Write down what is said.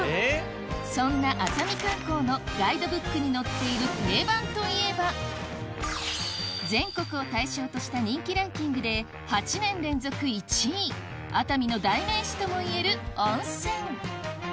そんな熱海観光のガイドブックに載っている定番といえば全国を対象とした人気ランキングで８年連続１位熱海の代名詞ともいえる温泉